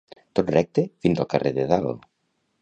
Tot recte fins al carrer de dalt.